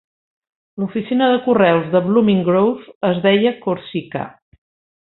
L'oficina de correus de Blooming Grove es deia Corsica.